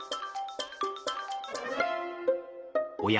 おや？